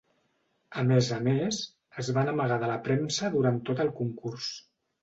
A més a més, es van amagar de la premsa durant tot el concurs.